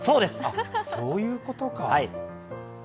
そういうことか。